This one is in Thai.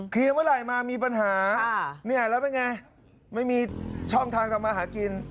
เคลียร์เวลามามีปัญหาแล้วเป็นไงไม่มีช่องทางทำมาหากิน